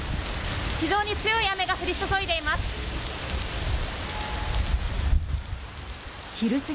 非常に強い雨が降り注いでいます。